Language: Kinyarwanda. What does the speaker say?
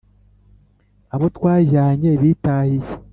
Abo twajyanye bitahiye ;